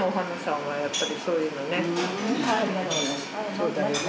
そうだよね。